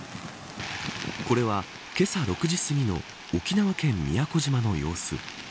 これは、けさ６時すぎの沖縄県宮古島の様子。